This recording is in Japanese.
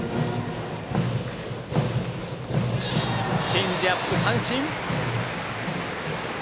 チェンジアップで三振。